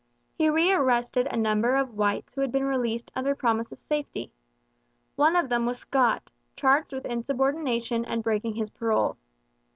He rearrested a number of whites who had been released under promise of safety. One of them was Scott, charged with insubordination and breaking his parole.